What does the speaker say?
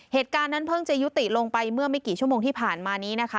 เหตุการณ์นั้นเพิ่งจะยุติลงไปเมื่อไม่กี่ชั่วโมงที่ผ่านมานี้นะคะ